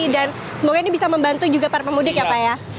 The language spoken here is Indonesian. dan semoga ini bisa membantu juga para pemudik ya pak ya